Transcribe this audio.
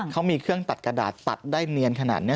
เขามีเครื่องตัดกระดาษตัดได้เนียนขนาดนี้